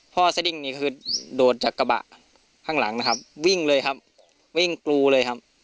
สดิ้งนี่คือโดดจากกระบะข้างหลังนะครับวิ่งเลยครับวิ่งกรูเลยครับ